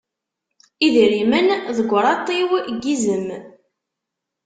Idrimen deg uṛaṭiw n yizem.